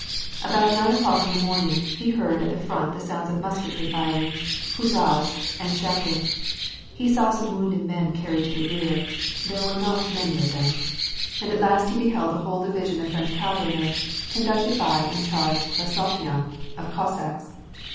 About nine o'clock in the morning, he heard at the front the sounds of musketry firing, huzzas, and shouting ; he saw some wounded men carried to the rear (there were not many War and pKacB. 807 of them), and at last he beheld a whole dirision of French cavalrymen conducted by in charge of a sotnya of Cossacks.